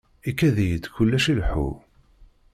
Ikad-iyi-d kullec ileḥḥu.